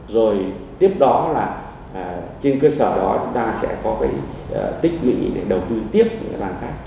rồi tiếp đó là trên cơ sở đó chúng ta sẽ có cái tích lũy để đầu tư tiếp những cái đoàn khác